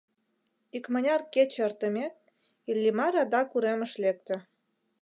Икмыняр кече эртымек, Иллимар адак уремыш лекте.